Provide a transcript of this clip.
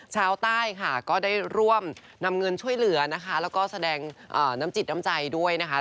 ชาวใต้ค่ะก็ได้ร่วมนำเงินช่วยเหลือนะคะแล้วก็แสดงน้ำจิตน้ำใจด้วยนะคะ